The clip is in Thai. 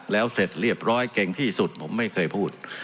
แล้วเสร็จเรียบร้อยเก่งที่สุดผมไม่เคยพูด